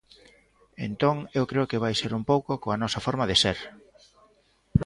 Entón eu creo que vai un pouco coa nosa forma de ser.